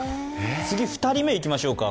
次、２人目いきましょうか。